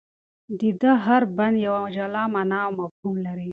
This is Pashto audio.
د ده هر بند یوه جلا مانا او مفهوم لري.